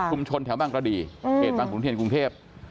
คุมชนแถวบ้างก็ดีเกรดบ้างกรุงเทียนกรุงเทพ